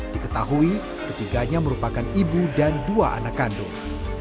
diketahui ketiganya merupakan ibu dan dua anak kandung